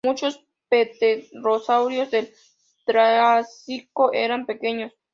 Muchos pterosaurios del Triásico eran pequeños.